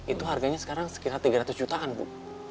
itu harganya sekarang sekitar tiga ratus jutaan bu